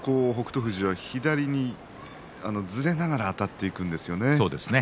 富士はちょっと左にずれながらあたっていくんですよね。